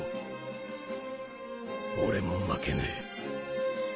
俺も負けねえ